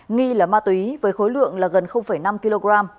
nghi là ma túy với khối lượng là gần năm kg